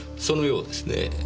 そのようですね。